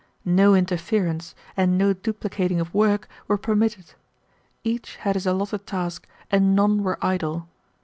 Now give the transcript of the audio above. No interference and no duplicating of work were permitted. Each had his allotted task, and none were idle.